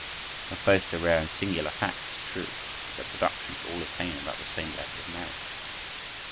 Of both, the rare and singular fact is true, that their productions all attain about the same level of merit.